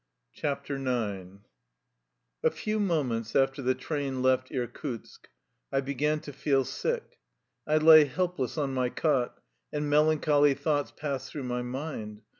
228 A IX FEW moments after the train left Irkutsk I began to feel sick. I lay helpless on my cot, and melancholy thoughts passed through my mind.